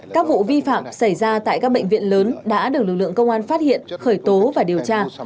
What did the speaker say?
các vụ vi phạm xảy ra tại các bệnh viện lớn đã được lực lượng công an phát hiện khởi tố và điều tra